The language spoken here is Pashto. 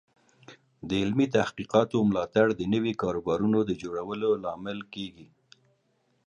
د علمي تحقیقاتو ملاتړ د نوي کاروبارونو د جوړولو لامل کیږي.